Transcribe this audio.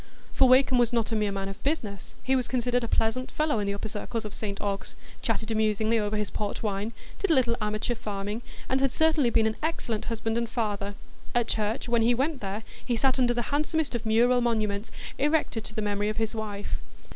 For Wakem was not a mere man of business; he was considered a pleasant fellow in the upper circles of St Ogg's—chatted amusingly over his port wine, did a little amateur farming, and had certainly been an excellent husband and father; at church, when he went there, he sat under the handsomest of mural monuments erected to the memory of his wife.